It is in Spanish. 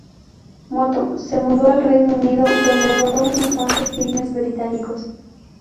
Moto", se mudó al Reino Unido, donde rodó unos cuantos filmes británicos.